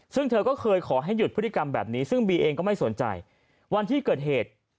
ซึ่งเธอก็เคยขอให้หยุดพฤติกรรมแบบนี้ซึ่งบีเองก็ไม่สนใจวันที่เกิดเหตุ